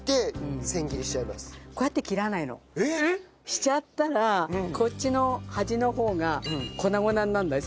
しちゃったらこっちの端の方が粉々にならない？